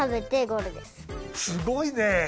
すごいね！